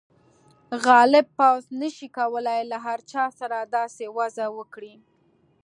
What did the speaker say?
غالب پوځ نه شي کولای له هر چا سره داسې وضعه وکړي.